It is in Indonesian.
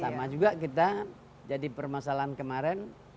sama juga kita jadi permasalahan kemarin